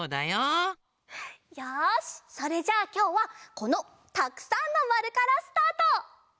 よしそれじゃあきょうはこのたくさんのまるからスタート！